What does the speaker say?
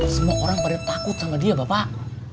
semua orang pada takut sama dia bapak